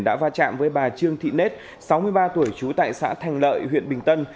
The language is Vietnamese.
đã va chạm với bà trương thị nết sáu mươi ba tuổi trú tại xã thành lợi huyện bình tân